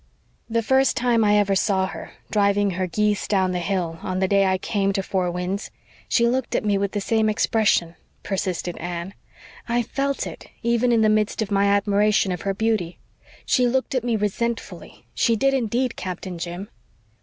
"The first time I ever saw her, driving her geese down the hill on the day I came to Four Winds, she looked at me with the same expression," persisted Anne. "I felt it, even in the midst of my admiration of her beauty. She looked at me resentfully she did, indeed, Captain Jim."